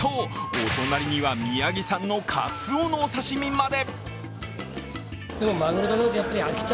お隣には宮城産のカツオのお刺身まで！